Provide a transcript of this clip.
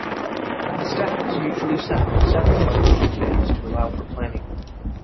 The staff is usually set up several months in advance to allow for planning.